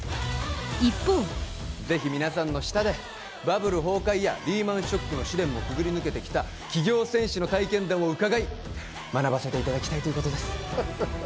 一方ぜひ皆さんの下でバブル崩壊やリーマンショックの試練もくぐり抜けてきた企業戦士の体験談を伺い学ばせていただきたいということです